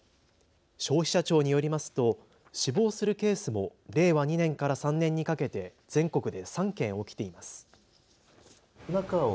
消費者庁によりますと死亡するケースも令和２年から３年にかけて全国で３件起きています。